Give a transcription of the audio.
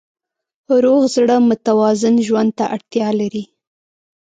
روغ زړه متوازن ژوند ته اړتیا لري.